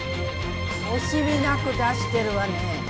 惜しみなく出してるわね。